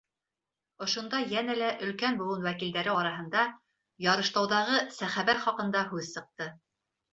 Ошонда йәнә лә өлкән быуын вәкилдәре араһында Ярыштауҙағы сәхәбә хаҡында һүҙ сыҡты.